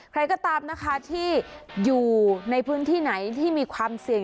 ใครก็ตามนะคะที่อยู่ในพื้นที่ไหนที่มีความเสี่ยง